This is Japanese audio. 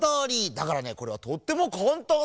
だからねこれはとってもかんたんなんです。